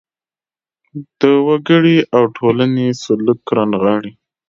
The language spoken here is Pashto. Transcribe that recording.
د وګړي او ټولنې سلوک رانغاړي.